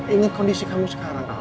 ingat kondisi kamu sekarang